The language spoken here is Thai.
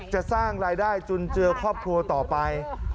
จะสร้างรายได้จุนเจือครอบครัวต่อไป